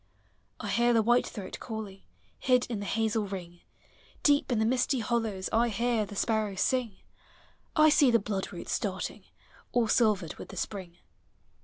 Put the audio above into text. I hear the whitethroat calling, Did in the hazel ring; Deep in the misty hollows I hear the sparrows sing ; I see the bloodroot starting, All silvered with the spring.